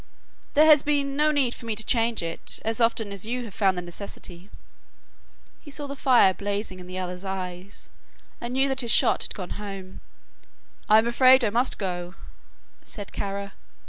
"There has been, no need for me to change it as often as you have found the necessity." He saw the fire blazing in the other's eyes and knew that his shot had gone home. "I am afraid I must go," said Kara.